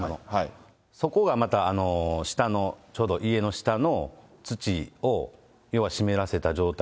そこがまた下の、ちょうど家の下の土を、要は湿らせた状態。